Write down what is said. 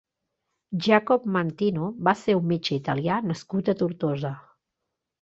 Jacob Mantino va ser un metge italià nascut a Tortosa.